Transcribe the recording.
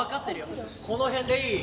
この辺でいい？